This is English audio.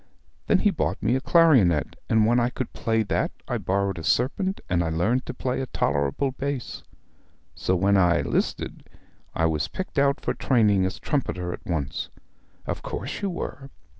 Then he bought me a clarionet, and when I could play that I borrowed a serpent, and I learned to play a tolerable bass. So when I 'listed I was picked out for training as trumpeter at once.' 'Of course you were.'